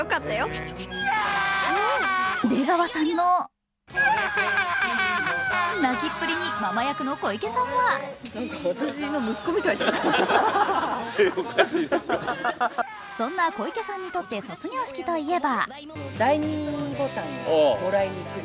出川さんの泣きっぷりにママ役の小池さんはそんな小池さんにとって卒業式といえば。